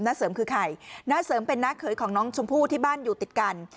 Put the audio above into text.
เสริมคือใครน้าเสริมเป็นน้าเขยของน้องชมพู่ที่บ้านอยู่ติดกัน